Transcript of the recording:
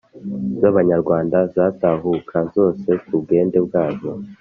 z'abanyarwanda zatahuka zose ku bwende bwazo.